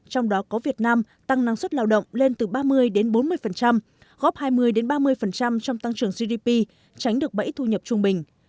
trong đó có việt nam tăng năng suất lao động lên từ ba mươi bốn mươi góp hai mươi ba mươi trong tăng trưởng gdp tránh được bẫy thu nhập trung bình